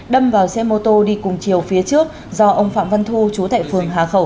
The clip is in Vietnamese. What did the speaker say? đâm vào xe mô tô đi cùng chiều phía trước do ông phạm văn thu chú tại phường hà khẩu